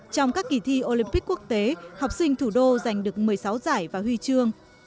trong các kỳ thi olympic quốc tế học sinh thủ đô giành được một mươi sáu giải và huy chương